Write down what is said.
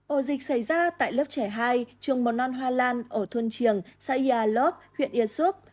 ổ dịch xảy ra tại lớp trẻ hai trường mồn non hoa lan ở thuân trường xã yà lộc huyện yên xúc